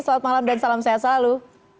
selamat malam dan salam sehat selalu